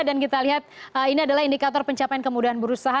dan kita lihat ini adalah indikator pencapaian kemudahan berusaha